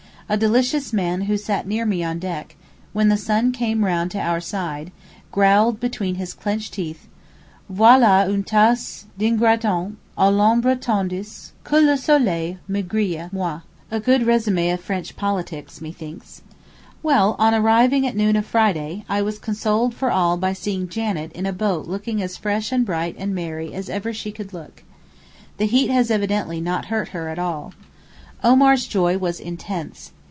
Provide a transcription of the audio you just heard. A delicious man who sat near me on deck, when the sun came round to our side, growled between his clenched teeth: 'Voilà un tas d'intrigants a l'ombre tandis que le soleil me grille, moi,' a good resume of French politics, methinks. Well, on arriving at noon of Friday, I was consoled for all by seeing Janet in a boat looking as fresh and bright and merry as ever she could look. The heat has evidently not hurt her at all. Omar's joy was intense.